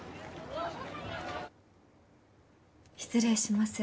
失礼します。